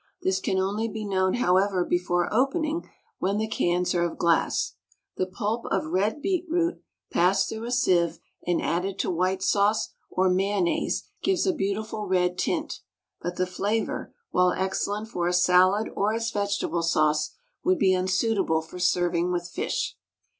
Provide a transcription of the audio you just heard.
This can only be known, however, before opening, when the cans are of glass. The pulp of red beet root passed through a sieve and added to white sauce or mayonnaise gives a beautiful red tint; but the flavor, while excellent for a salad or as vegetable sauce, would be unsuitable for serving with fish.